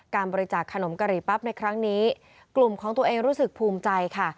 การบริจาคขนมกะหรี่ปั๊บในครั้งนี้กลุ่มของตัวเองรู้สึกภูมิใจค่ะ